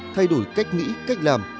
thay đổi cách nghĩ cách làm